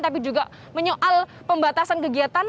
tapi juga menyoal pembatasan kegiatan